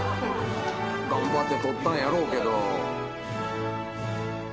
頑張って撮ったんやろうけど。